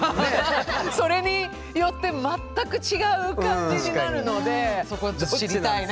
それによって全く違う感じになるのでそこを知りたい。